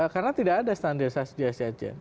karena tidak ada standarisasi dari sekjen